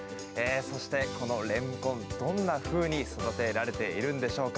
そして、このレンコンどんなふうに育てられているんでしょうか。